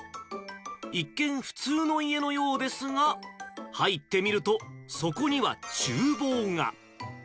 一見、普通の家のようですが、入ってみると、そこにはちゅう房が。